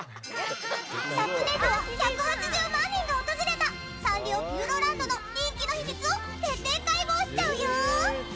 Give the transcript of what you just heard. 昨年度は１８０万人が訪れたサンリオピューロランドの人気の秘密を徹底解剖しちゃうよー！